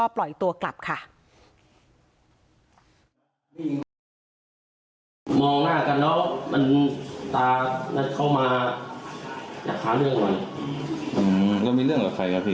หัวหน้าอยู่ในที่สนาการ